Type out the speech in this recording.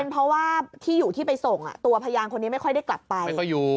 เป็นเพราะว่าที่อยู่ที่ไปส่งอ่ะตัวพยานคนนี้ไม่ค่อยได้กลับไป